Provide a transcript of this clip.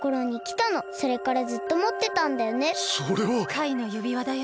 カイのゆびわだよ。